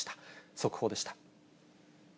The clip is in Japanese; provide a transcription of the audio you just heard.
速報でした。